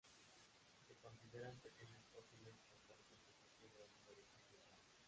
Se consideran pequeños fósiles con concha que sugiere un origen temprano.